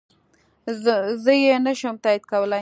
زه يي نشم تاييد کولی